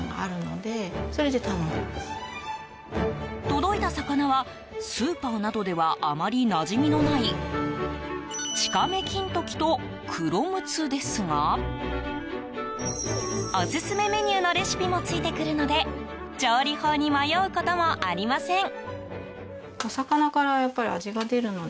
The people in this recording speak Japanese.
届いた魚は、スーパーなどではあまりなじみのないチカメキントキとクロムツですがオススメメニューのレシピもついてくるので調理法に迷うこともありません。